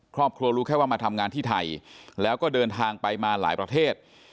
รู้แค่ว่ามาทำงานที่ไทยแล้วก็เดินทางไปมาหลายประเทศ